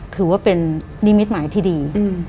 ถือว่าเป็นนิมิตหมายที่ดี